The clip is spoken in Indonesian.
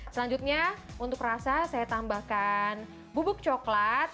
selanjutnya untuk rasa saya tambahkan bubuk coklat